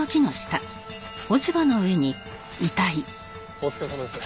お疲れさまです。